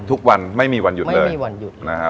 ทุกวันไม่มีวันหยุดเลยนะครับผมไม่มีวันหยุด